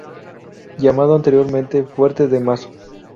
Llamado anteriormente fuerte de Mazo.